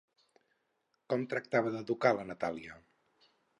Com tractava d'educar la Natàlia?